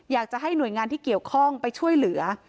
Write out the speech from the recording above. อยากจะให้หน่วยงานที่เกี่ยวข้องไปช่วยเหลือ